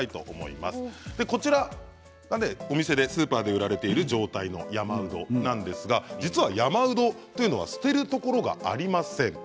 こちらお店スーパーで売られている状態の山うどなんですが実は山うどというのは捨てるところがありません。